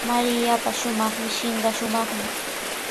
Mariapa yuraq mishinqa shumaqmi.